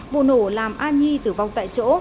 vụ nổ làm a nhi tử vong tại chỗ